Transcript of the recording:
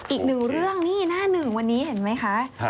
อีกหนึ่งเรื่องนี่หน้าหนึ่งวันนี้เห็นไหมคะ